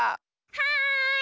はい！